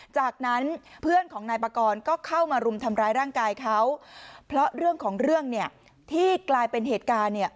จากนั้นเพื่อนของนายปากรก็เข้ามารุมทำร้ายร่างกายเขาเพราะเรื่องของเรื่องเนี่ยที่กลายเป็นเหตุการณ์เนี่ย